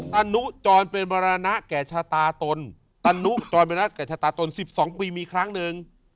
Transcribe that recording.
ทันหนุจอนไปมรณะแก่ชาตาตน๑๒ปีมีครั้งหนึ่ง